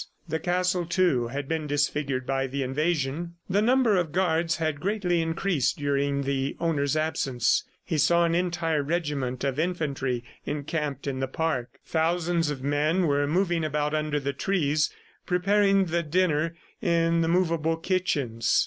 The castle, too, had been disfigured by the invasion. The number of guards had greatly increased during the owner's absence. He saw an entire regiment of infantry encamped in the park. Thousands of men were moving about under the trees, preparing the dinner in the movable kitchens.